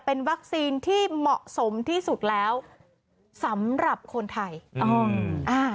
เป็นวัคซีนที่เหมาะสมที่สุดแล้วสำหรับคนไทยอ๋ออ่า